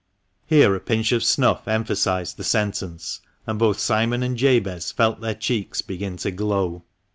Here a pinch of snuff emphasised the sentence, and both Simon and Jabez felt their cheeks begin to glow.